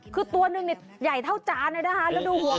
คือตัวหนึ่งเนี่ยใหญ่เท่าจานเลยนะคะ